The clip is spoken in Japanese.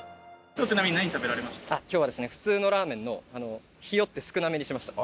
今日はですね普通のラーメンのひよって少なめにしました。